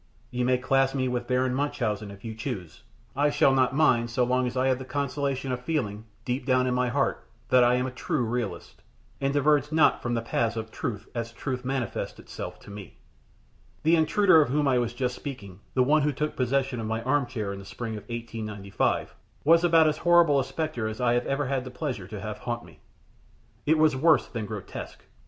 You may class me with Baron Munchausen if you choose; I shall not mind so long as I have the consolation of feeling, deep down in my heart, that I am a true realist, and diverge not from the paths of truth as truth manifests itself to me. This intruder of whom I was just speaking, the one that took possession of my arm chair in the spring of 1895, was about as horrible a spectre as I have ever had the pleasure to have haunt me. It was worse than grotesque.